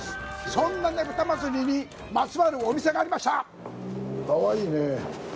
そんな、ねぷたにまつわるお店がありました。